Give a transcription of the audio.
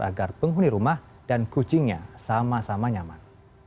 agar penghuni rumah dan kucingnya sama sama nyaman